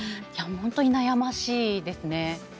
本当に悩ましいですね。